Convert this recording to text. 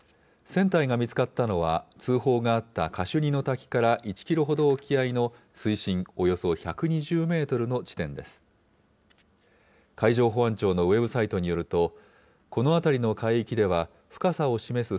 船体が見つかったのは、通報があったカシュニの滝から１キロほど沖合の水深およそ１２０メートルの地点です。